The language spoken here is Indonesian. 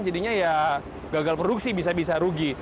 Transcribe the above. jadinya ya gagal produksi bisa bisa rugi